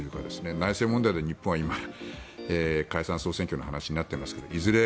内政問題で日本は今解散・総選挙の話になっていますがいずれ